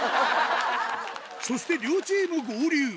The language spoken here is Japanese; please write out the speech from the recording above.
そして両チーム合流。